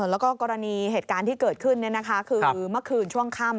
แล้วก็กรณีเหตุการณ์ที่เกิดขึ้นคือเมื่อคืนช่วงค่ำ